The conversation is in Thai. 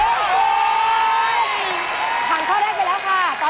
หันตอนค้าแรกเลยค่ะ